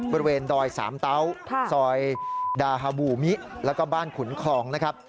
บริเวณดอยสามเตาซอยดาฮาบูมิแล้วก็บ้านขุนคลองนะครับ